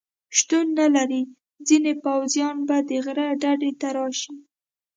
شتون نه لري، ځینې پوځیان به د غره ډډې ته راشي.